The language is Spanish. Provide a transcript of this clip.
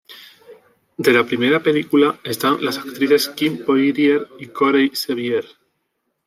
De la primera película, están las actrices Kim Poirier y Corey Sevier.